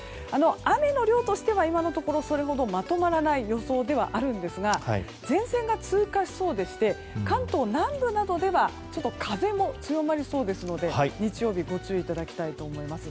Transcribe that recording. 雨の量としては今のところそれほど、まとまらない予想ではあるんですが前線が通過しそうでして関東南部などでは風も強まりそうでして日曜日ご注意いただきたいと思います。